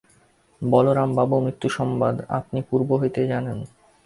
বলরামবাবু মৃত্যুসংবাদ আপনি পূর্ব হইতেই জানেন।